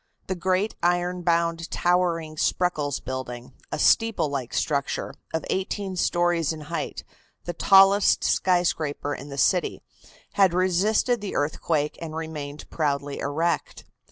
The great, iron bound, towering Spreckles building, a steeple like structure, of eighteen stories in height, the tallest skyscraper in the city, had resisted the earthquake and remained proudly erect.